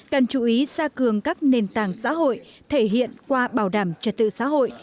cần chú ý sa cường các nền tảng xã hội thể hiện qua bảo đảm trật tự xã hội